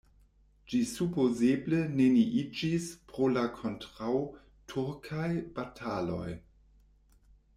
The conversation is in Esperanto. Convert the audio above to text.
Ĝi supozeble neniiĝis pro la kontraŭturkaj bataloj.